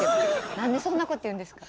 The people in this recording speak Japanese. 何でそんなこと言うんですか？